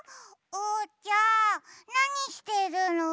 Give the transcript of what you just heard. おうちゃんなにしてるの？